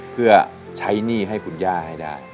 เพื่อใช้หนี้ให้คุณย่าให้ได้